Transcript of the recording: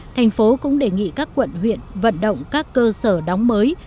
thành phố cũng đề nghị các quận huyện vận động các cơ sở đóng mới